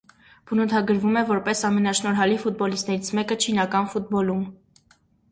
Բնութագրվում է որպես ամենաշնորհալի ֆուտբոլիստներից մեկը չինական ֆուտբոլում։